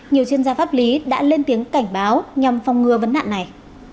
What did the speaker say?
nhiều chuyên gia pháp lý đã lên tiếng cảnh báo nhằm phòng ngừa vấn nạn này